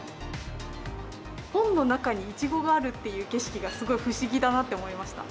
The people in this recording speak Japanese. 本の中にイチゴがあるっていう景色がすごい不思議だなって思いました。